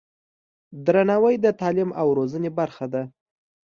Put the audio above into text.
درناوی د تعلیم او روزنې برخه ده.